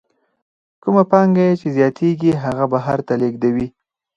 کومه پانګه یې چې زیاتېږي هغه بهر ته لېږدوي